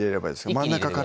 真ん中から？